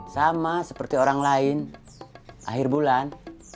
sama seperti orang lain akhir bulan